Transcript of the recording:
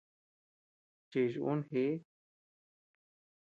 Chich un jiʼi.